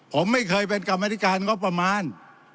ผมไม่เคยเป็นกรรมธิการงบประมาณ